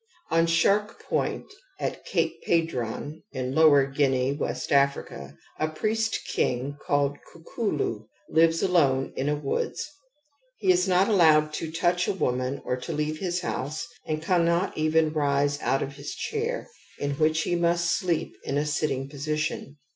Qn Shark Point at Cape Padron in Lower Guinea (West Africa), a priest king called Kukulu lives alone in a woods. He is not allowed to touch a woman or to leave his house and cannot evenrise out of his chair, in which he must sleep in a sitting position.